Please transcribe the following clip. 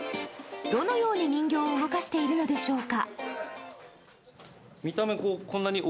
どのように人形を動かしているのでしょうか。